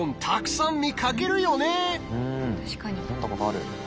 うん読んだことある。